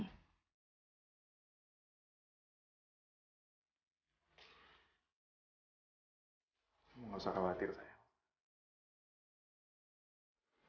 kamu tidak perlu khawatir sayang